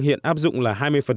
hiện áp dụng là hai mươi